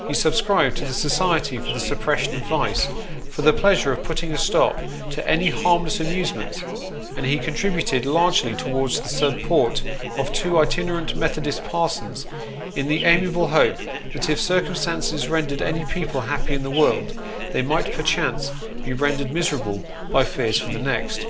He subscribed to the " Society for the Suppression of Vice " for the pleasure of putting a stop to any harm less amusements ; and he contributed largely towards the support of two itinerant Methodist parsons, in the amiable hope that if circum stances rendered any people happy in this world, they might perchance be rendered miserable by fears for the next.